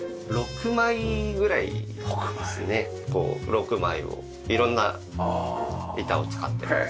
６枚を色んな板を使ってます。